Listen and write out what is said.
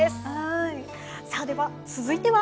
さあでは続いては？